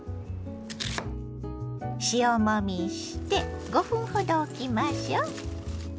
塩もみして５分ほどおきましょ。